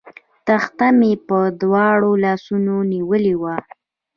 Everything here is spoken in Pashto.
تخته مې په دواړو لاسونو نیولې وه.